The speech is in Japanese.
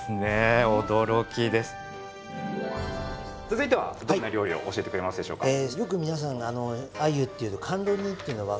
続いてはどんな料理を教えてくれますでしょうか？